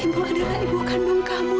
ibu adalah ibu kandung kamu